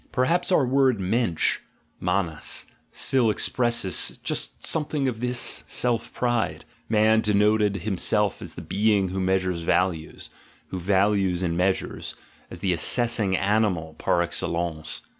Perhaps our word "Mensch" (manas) still ex presses just something of this self pride: man denoted himself as the being who measures values, who values and measures, as the "assessing" animal par excellence.